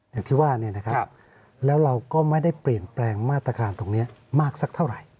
อย่างที่ว่าแล้วเราก็ไม่ได้เปลี่ยนแปลงมาตรการตรงนี้มากสักเท่าไหร่